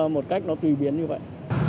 một cách nó tùy biến như vậy